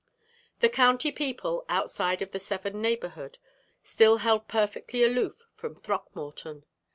The county people, outside of the Severn neighborhood, still held perfectly aloof from Throckmorton.